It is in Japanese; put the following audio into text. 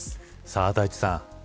さあ、大地さん。